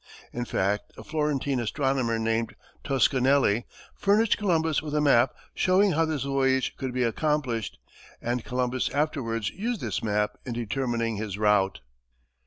In fact, a Florentine astronomer named Toscanelli furnished Columbus with a map showing how this voyage could be accomplished, and Columbus afterwards used this map in determining his route.